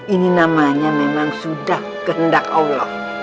ini namanya memang sudah kehendak allah